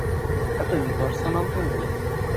এত ইম্পার্সোন্যাল তুমি!